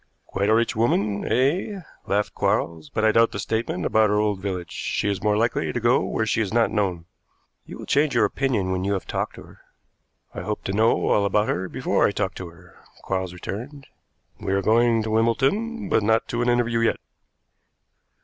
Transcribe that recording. "Quite a rich woman, eh?" laughed Quarles. "But I doubt the statement about her old village. She is more likely to go where she is not known." "You will change your opinion when you have talked to her." "I hope to know all about her before I talk to her," Quarles returned. "We are going to Wimbledon, but not to an interview yet."